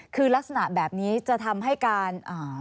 คือลักษณะแบบนี้จะทำให้การอ่า